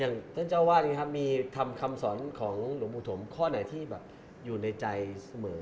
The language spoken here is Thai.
อย่างท่านเจ้าว่ามีทำคำสอนของหลวงบุถมข้อไหนที่อยู่ในใจเสมอ